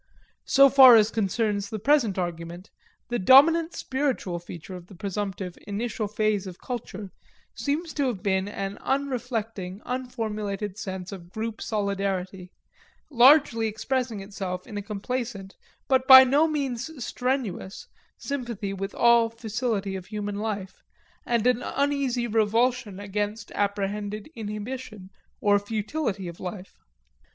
So far as concerns the present argument, the dominant spiritual feature of this presumptive initial phase of culture seems to have been an unreflecting, unformulated sense of group solidarity, largely expressing itself in a complacent, but by no means strenuous, sympathy with all facility of human life, and an uneasy revulsion against apprehended inhibition or futility of life.